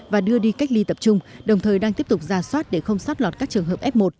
và đưa đi cách ly tập trung đồng thời đang tiếp tục ra soát để không xót lọt các trường hợp f một